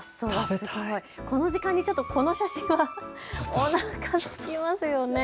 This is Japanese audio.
この時間にこの写真はおなか、すきますよね。